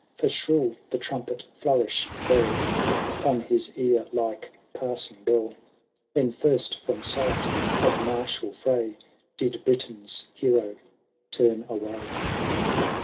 For shrill the trumpet flourish fell Upon his ear like passing bell !' Then first from sight of martial fray Did Britain's hero turn away.